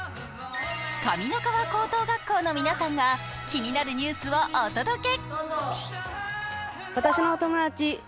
上三川高等学校の皆さんが気になるニュースをお届け。